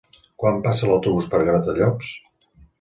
Quan passa l'autobús per Gratallops?